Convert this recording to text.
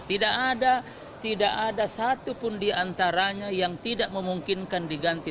tidak ada tidak ada satupun diantaranya yang tidak memungkinkan diganti